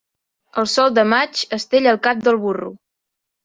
El sol de maig estella el cap del burro.